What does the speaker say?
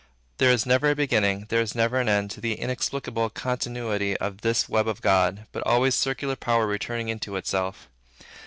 There is never a beginning, there is never an end, to the inexplicable continuity of this web of God, but always circular power returning into itself.